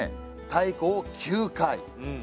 太鼓を９回。